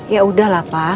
ya udahlah pak